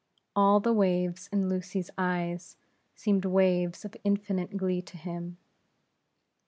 All the waves in Lucy's eyes seemed waves of infinite glee to him.